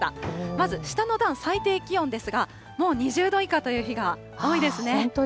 まず下の段、最低気温ですが、もう２０度以下という日が多いですね。